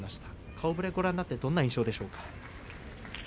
顔ぶれをご覧になってどんな印象でしょうか。